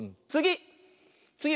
つぎ！